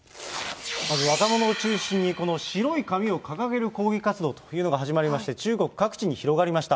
まず、若者を中心にこの白い紙を掲げる抗議活動というのが始まりまして、中国各地に広がりました。